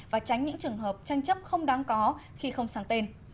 và tránh những trường hợp tranh chấp không đáng có khi không sang tên